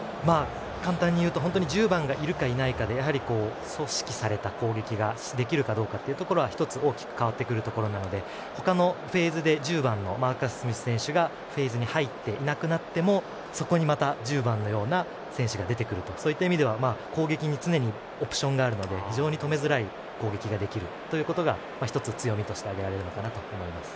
簡単に言うと１０番がいるかいないかで組織された攻撃ができるかどうかというところは１つ大きく変わってくるので他のフェーズで１０番のマーカス・スミス選手がフェーズに入っていなくなってもそこにまた１０番のような選手が出てくるという意味では、攻撃に常にオプションがあるので非常に止めづらい攻撃ができるということが強みとして挙げられるのかなと思います。